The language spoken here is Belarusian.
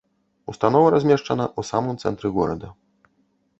Установа размешчана ў самым цэнтры горада.